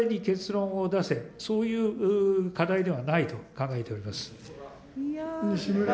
いつまでに結論を出せ、そういう課題ではないと考えております。